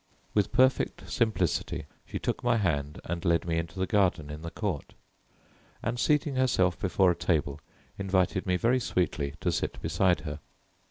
With perfect simplicity she took my hand and led me into the garden in the court, and seating herself before a table invited me very sweetly to sit beside her.